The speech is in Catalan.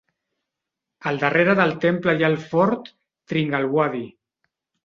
Al darrere del temple hi ha el Fort Tringalwadi.